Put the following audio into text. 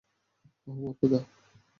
ওহ মোর খোদা।